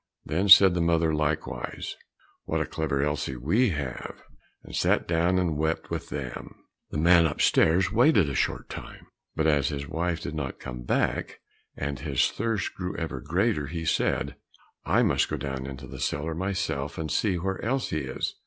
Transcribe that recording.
Then said the mother likewise, "What a clever Elsie we have!" and sat down and wept with them. The man upstairs waited a short time, but as his wife did not come back and his thirst grew ever greater, he said, "I must go into the cellar myself and see where Elsie is."